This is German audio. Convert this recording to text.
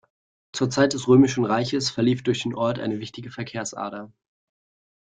Zur Zeit des Römischen Reichs verlief durch den Ort eine wichtige Verkehrsader.